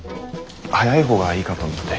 早い方がいいかと思って。